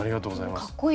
かっこいいです。